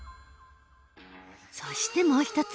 そしてもう一つ。